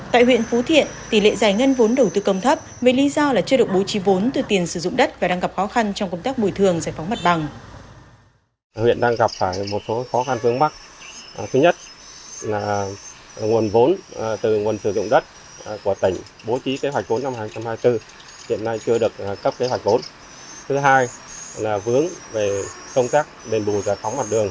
tại huyện phú thiện tỷ lệ giải ngân vốn đầu tư công thấp mới lý do là chưa được bố trí vốn từ tiền sử dụng đất